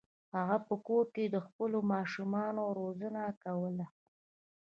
هغه په کور کې د خپلو ماشومانو روزنه کوله.